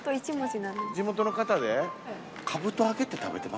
地元の方で？